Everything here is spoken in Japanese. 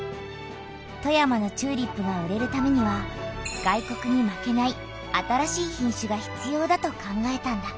富山のチューリップが売れるためには外国に負けない新しい品種が必要だと考えたんだ。